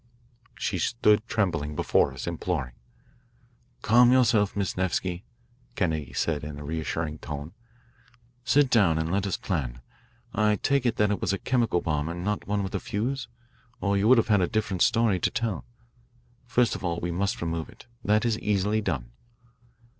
She stood trembling before us, imploring. "Calm yourself, Miss Nevsky," said Kennedy in a reassuring tone. "Sit down and let us plan. I take it that it was a chemical bomb and not one with a fuse, or you would have a different story to tell. First of all, we must remove it. That is easily done."